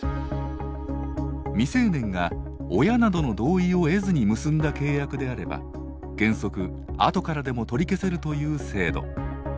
未成年が親などの同意を得ずに結んだ契約であれば原則あとからでも取り消せるという制度。